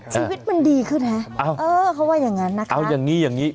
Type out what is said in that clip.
ชีวิตมันดีขึ้นฮะอ้าวเออเขาว่าอย่างงั้นนะคะเอาอย่างงี้อย่างงี้